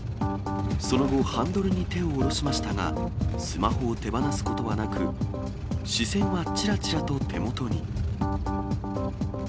その後、ハンドルに手を下ろしましたが、スマホを手放すことはなく、視線はちらちらと手元に。